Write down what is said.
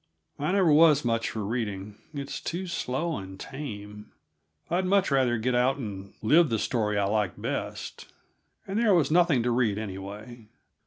I never was much for reading; it's too slow and tame. I'd much rather get out and live the story I like best. And there was nothing to read, anyway.